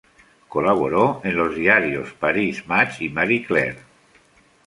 Colaboró en los diarios "Paris-Match" y "María-Claire".